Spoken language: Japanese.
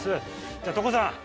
じゃあ所さん